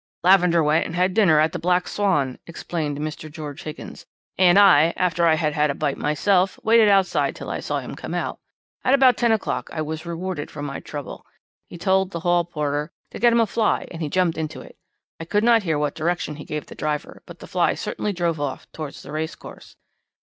"'Lavender went and had dinner at The Black Swan,' explained Mr. George Higgins, 'and I, after I had had a bite myself, waited outside till I saw him come out. At about ten o'clock I was rewarded for my trouble. He told the hall porter to get him a fly and he jumped into it. I could not hear what direction he gave the driver, but the fly certainly drove off towards the racecourse.